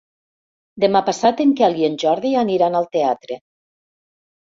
Demà passat en Quel i en Jordi aniran al teatre.